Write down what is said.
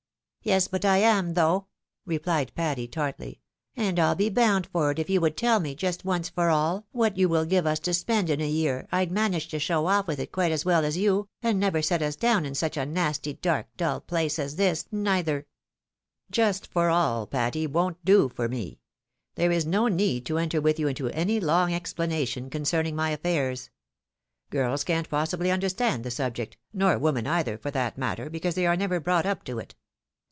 " Yes, but I am, though,'' replied Patty, tartly ;" and I'll be bound for it, if you would tell me, just once for aB, what you will give us to spend in a year, I'd manage to show oflf with it quite as well as you, and never set us down in such a nasty, dark, dull place as this, neither." '■'■Just once for all, Patty, won't do for me. There is no need to enter with you into any long explanation concerning my affairs. Girls can't possibly understand the subject, nor women either, for that matter, because they are never brought up to it.